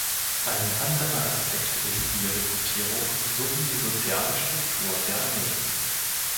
Ein anderer Aspekt ist die Rekrutierung sowie die soziale Struktur der Armee.